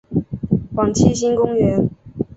往七星公园